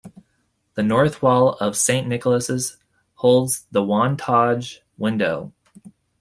The north wall of Saint Nicholas' holds the 'Wantage Window'.